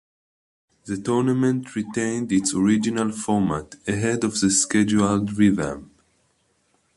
The tournament retained its original format ahead of the scheduled revamp.